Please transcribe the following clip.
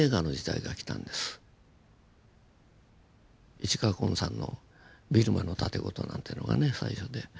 市川崑さんの「ビルマの竪琴」なんてのがね最初で。